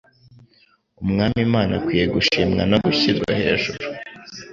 Umwami Imana akwiye gushimwa no gushirwa hejuru